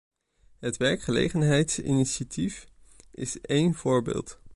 Het werkgelegenheidsinitiatief is één voorbeeld.